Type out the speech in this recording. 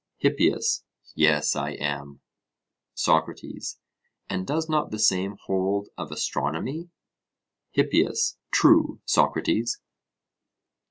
HIPPIAS: Yes, I am. SOCRATES: And does not the same hold of astronomy? HIPPIAS: True, Socrates.